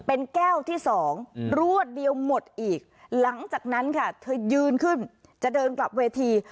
เป็นแก้วที่สองรวดเดียวหมดอีกหลังจากนั้นค่ะเธอยืนขึ้นจะเดินกลับเวที